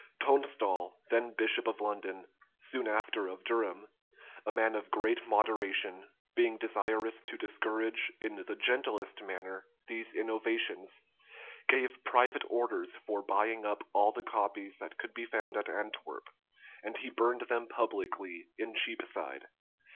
Tonstal, then bishop of London, soon after of Durham, a man of great moderation, being desirous to discourage, in the gentlest manner, these innovations, gave private orders for buying up all the copies that could be found at Antwerp; and he burned them publicly in Cheapside.